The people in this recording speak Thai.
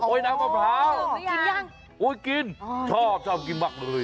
โอ้ยน้ำมะพร้าวจึบหรือยังโอ้ยกินชอบชอบกินมากเลย